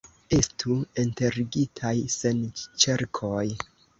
Estu enterigitaj sen ĉerkoj!